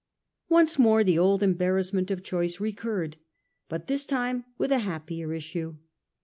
Once more the old embarrassment of choice recurred, but this time with a happier issue.